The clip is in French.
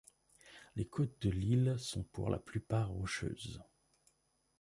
Les de côtes de l'île sont pour la plupart rocheuses.